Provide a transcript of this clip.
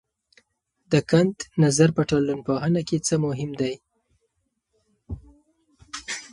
د کنت نظر په ټولنپوهنه کې څه مهم دی؟